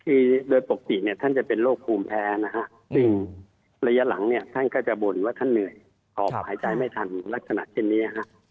คือโดยปกติเนี่ยท่านจะเป็นโรคภูมิแพ้นะฮะซึ่งระยะหลังเนี่ยท่านก็จะบ่นว่าท่านเหนื่อยหอบหายใจไม่ทันลักษณะเช่นนี้ฮะ